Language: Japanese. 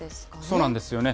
そうなんですよね。